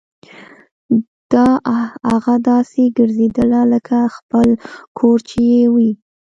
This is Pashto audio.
داه اغه داسې ګرځېدله لکه خپل کور چې يې وي.